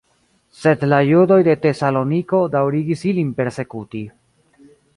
Sed la judoj de Tesaloniko daŭrigis ilin persekuti.